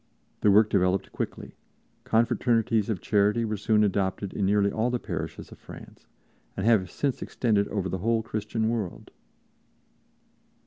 The work developed quickly; confraternities of charity were soon adopted in nearly all the parishes of France and have since extended over the whole Christian world.